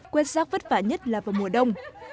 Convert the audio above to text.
quét giác vất vả nhất là vào mùa đông